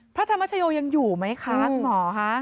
พระธรรมชโยยังอยู่ไหมคะคุณหมอคะ